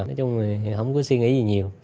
nói chung là không có suy nghĩ gì nhiều